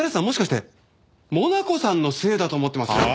もしかしてモナコさんのせいだと思ってます？